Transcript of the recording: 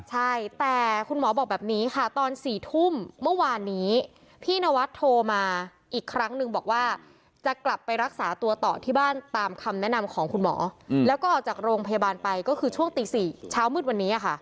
ใช่แต่คุณหมอบอกแบบนี้ค่ะตอน๔ทุ่มเมื่อวานนี้พี่นวัดโทรมาอีกครั้งนึงบอกว่าจะกลับไปรักษาตัวต่อที่บ้านตามคำแนะนำของคุณหมอแล้วก็ออกจากโรงพยาบาลไปก็คือช่วงตี๔เช้ามืดวันนี้ค่ะ